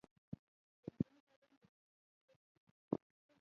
د نجونو تعلیم د اختراع ودې سبب دی.